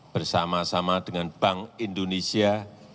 bersama sama dengan bank indonesia